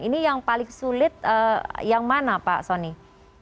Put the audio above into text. ini yang paling sulit yang mana pak soni